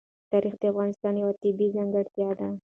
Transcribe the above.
تاریخ د افغانستان یوه طبیعي ځانګړتیا ده.